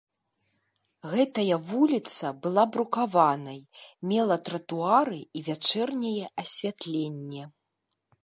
Гэтая вуліца была брукаванай, мела тратуары і вячэрняе асвятленне.